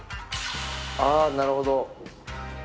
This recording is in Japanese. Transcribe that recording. ああなるほど。